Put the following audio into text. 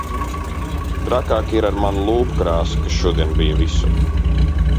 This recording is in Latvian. Trakāk ir ar manu lūpu krāsu, kas šodien bija visur.